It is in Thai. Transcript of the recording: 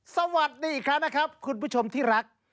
สวัสดีอีกครั้งนะครับคุณผู้ชมที่รัก